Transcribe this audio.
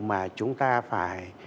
mà chúng ta phải